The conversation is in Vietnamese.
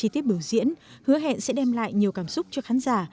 tiếp biểu diễn hứa hẹn sẽ đem lại nhiều cảm xúc cho khán giả